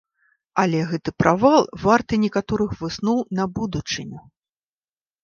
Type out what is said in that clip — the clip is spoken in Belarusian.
Але гэты правал варты некаторых высноў на будучыню.